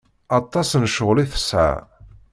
Aṭas n ccɣel i tesɛa.